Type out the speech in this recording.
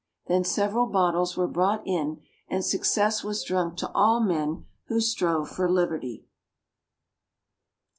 Then several bottles were brought in, and success was drunk to all men who strove for liberty.